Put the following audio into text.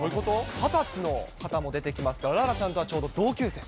２０歳の方も出てきますから、楽々さんとはちょうど同級生。